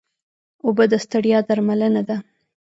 اوبه د ستړیا درملنه ده